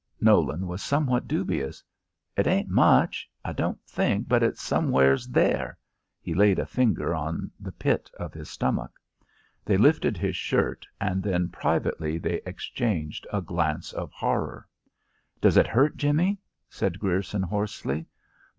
Nolan was somewhat dubious. "It ain't much. I don't think but it's somewheres there." He laid a finger on the pit of his stomach. They lifted his shirt, and then privately they exchanged a glance of horror. "Does it hurt, Jimmie?" said Grierson, hoarsely.